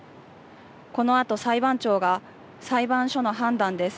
このあと裁判長が、裁判所の判断です。